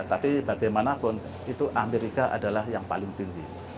tapi bagaimanapun itu amerika adalah yang paling tinggi